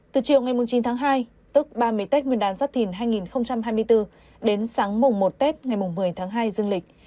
từ chiều ngày chín tháng hai tức ba mươi tết nguyên đán giáp thìn hai nghìn hai mươi bốn đến sáng mùng một tết ngày một mươi tháng hai dương lịch